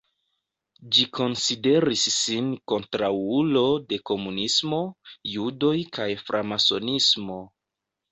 Ĝi konsideris sin kontraŭulo de komunismo, judoj kaj framasonismo.